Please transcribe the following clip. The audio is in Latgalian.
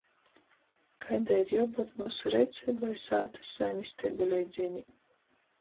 Kaidai ir juobyut myusu reiceibai sātys saimisteibu leidzīnī?